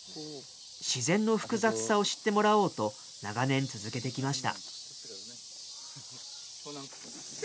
自然の複雑さを知ってもらおうと、長年続けてきました。